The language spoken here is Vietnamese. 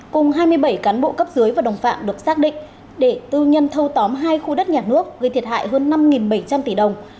cùng hai mươi bảy cán bộ cấp dưới và đồng phạm được xác định để tư nhân thâu tóm hai khu đất nhà nước gây thiệt hại hơn năm bảy trăm linh tỷ đồng